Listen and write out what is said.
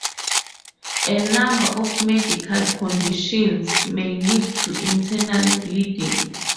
A number of medical conditions may lead to internal bleeding.